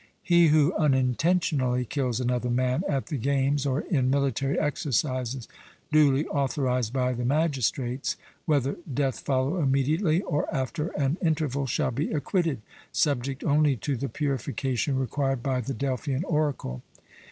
He who unintentionally kills another man at the games or in military exercises duly authorized by the magistrates, whether death follow immediately or after an interval, shall be acquitted, subject only to the purification required by the Delphian Oracle.